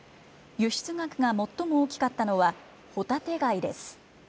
輸出額が最も大きかったのはホタテ貝です。